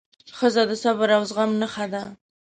ښځه د صبر او زغم نښه ده.